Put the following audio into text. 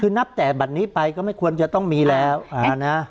คือนับแต่บัตรนี้ไปก็ไม่ควรจะต้องมีแล้วนะ